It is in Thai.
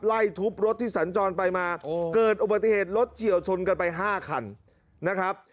ไล่ทุบรถที่สัญจรไปมาเกิดอุบัติเหตุรถเฉียวชนกันไป๕คันนะครับ